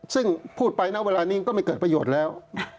ซึ่งพูดไปณเวลานี้ก็ไม่เกิดประโยชน์แล้ว